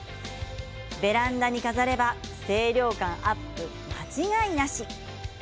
ベランダに飾れば清涼感アップ間違いなし。